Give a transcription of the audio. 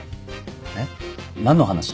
えっ？何の話？